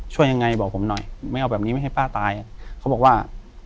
ช่วยยังไงบอกผมหน่อยไม่เอาแบบนี้ไม่ให้ป้าตายอ่ะเขาบอกว่า